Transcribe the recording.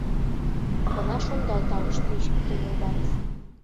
Бына шундай тауышты ишетте Юлбарыҫ.